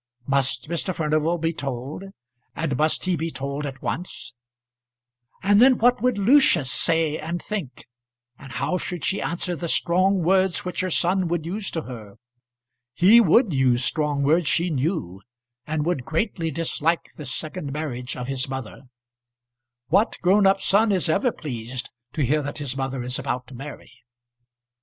Must Mr. Furnival be told; and must he be told at once? And then what would Lucius say and think, and how should she answer the strong words which her son would use to her? He would use strong words she knew, and would greatly dislike this second marriage of his mother. What grown up son is ever pleased to hear that his mother is about to marry?